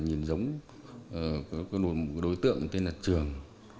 nhìn giống có một đối tượng tên là trường